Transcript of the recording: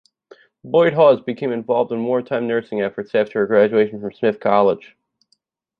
Boyd Hawes became involved in wartime nursing efforts after her graduation from Smith College.